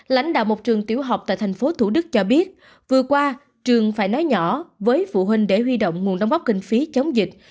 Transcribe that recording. lãnh đạo một trường tiểu học tại tp thủ đức cho biết vừa qua trường phải nói nhỏ với phụ huynh để huy động nguồn đóng góp kinh phí chống dịch